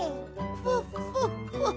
フォッフォッフォッ。